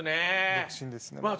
独身ですねまだ。